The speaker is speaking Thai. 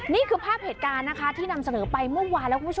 นี่คือภาพเหตุการณ์นะคะที่นำเสนอไปเมื่อวานแล้วคุณผู้ชม